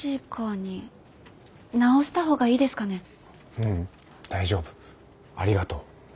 ううん大丈夫ありがとう。